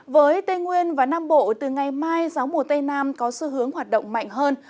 với tây nguyên và nam bộ từ ngày mai gió mùa tây nam có xu hướng hoạt động mạnh hơn